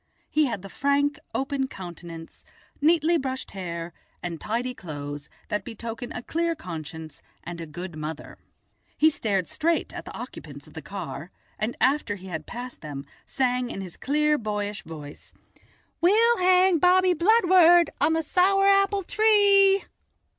He had the frank open countenance, neatly brushed hair and tidy clothes that betoken a clear conscience and a good mother. He stared straight at the occupants of the car, and, after he had passed them, sang in his clear, boyish voice: "We'll hang Bobby Bludward on the sour apple tree."